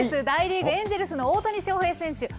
大リーグ・エンジェルスの大谷翔平選手。